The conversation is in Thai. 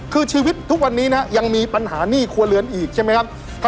คือชีวิตทุกวันนี้นะยังมีปัญหาหนี้ครัวเรือนอีกใช่ไหมครับ